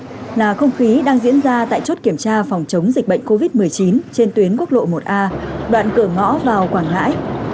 đây là không khí đang diễn ra tại chốt kiểm tra phòng chống dịch bệnh covid một mươi chín trên tuyến quốc lộ một a đoạn cửa ngõ vào quảng ngãi